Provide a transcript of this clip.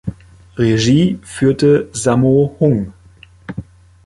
Regie führte Sammo Hung.